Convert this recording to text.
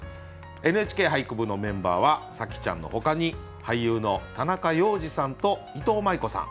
「ＮＨＫ俳句部」のメンバーは紗季ちゃんのほかに俳優の田中要次さんといとうまい子さん。